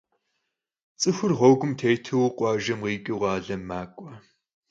Ts'ıxur ğuegum têtu khuajjem khiç'ıu khalem mak'ue.